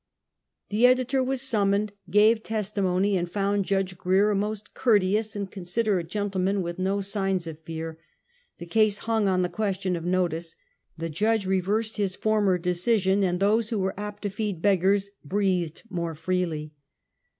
The editor was summoned, gave testimony, and found Judge Grier a most courteous and considerate gentleman, with no signs of fear. The case hung on the question of notice. The Judge reversed his former decision, and those who were apt to feed beg gars, breathed more freely.